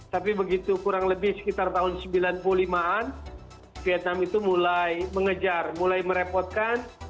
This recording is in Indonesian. tapi begitu kurang lebih sekitar tahun sembilan puluh lima an vietnam itu mulai mengejar mulai merepotkan